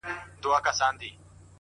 له دغي خاوري مرغان هم ولاړل هجرت کوي؛